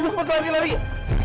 cepat aku gak ada yang lihat